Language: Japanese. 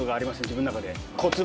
自分の中で。